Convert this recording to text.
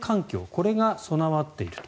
これが備わっていると。